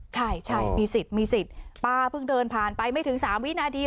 ใช่ใช่มีสิทธิ์มีสิทธิ์ป้าเพิ่งเดินผ่านไปไม่ถึง๓วินาที